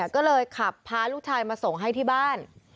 ก็เลยขับพาลูกชายมาส่งให้ที่บ้าน